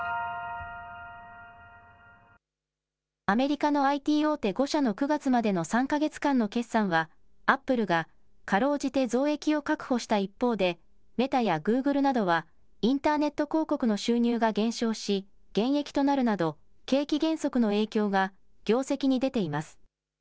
アメリカのＩＴ大手５社の９月までの３か月間の決算はアップルがかろうじて増益を確保した一方でメタやグーグルなどはインターネット広告の収入が減少し減益となるなど景気減速の影響が業績に出ています。